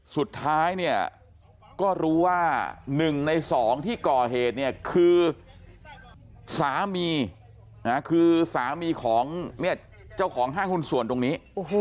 สุดท้ายเนี่ยก็รู้ว่า๑ใน๒ที่ก่อเหตุเนี่ยคือสามีคือสามีของเจ้าของห้างหุ้นส่วนตรงนี้